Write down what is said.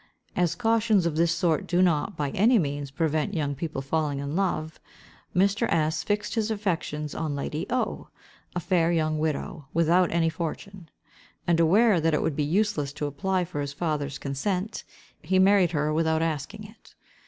As cautions of this sort do not, by any means, prevent young people falling in love, Mr. S—— fixed his affections on Lady O——, a fair young widow, without any fortune; and, aware that it would be useless to apply for his father's consent, he married her without asking it.